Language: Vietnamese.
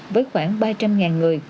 với khoảng ba trăm linh người